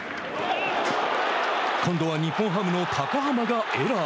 今度は日本ハムの高濱がエラー。